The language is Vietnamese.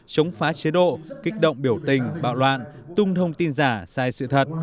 chống phá chế độ kích động biểu tình bạo loạn tung thông tin giả sai sự thật